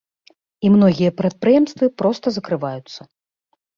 І многія прадпрыемствы проста закрываюцца.